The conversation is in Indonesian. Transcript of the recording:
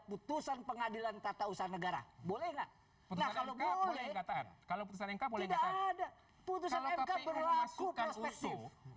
putusan pengadilan tata usaha negara boleh nggak kalau kalau putusan enggak ada putusan